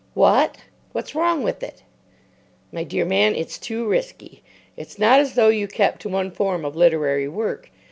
"What! What's wrong with it?" "My dear man, it's too risky. It's not as though you kept to one form of literary work.